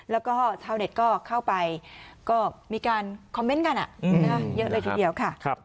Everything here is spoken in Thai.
แล้วเท่าไหร่ก็เข้าไปมีการคอมเมนต์กันอะเยอะเลยทีเดียวค่ะ